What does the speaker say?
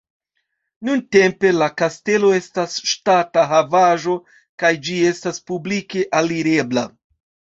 Nuntempe la kastelo estas ŝtata havaĵo kaj ĝi estas publike alirebla.